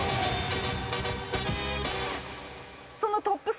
そのトップ３。